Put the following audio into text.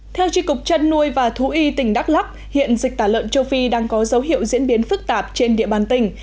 theo tri cục chân nuôi và thú y tỉnh đắk lắc hiện dịch tả lợn châu phi đang có dấu hiệu diễn biến phức tạp trên địa bàn tỉnh